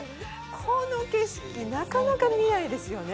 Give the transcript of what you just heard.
この景色、なかなか見ないですよね。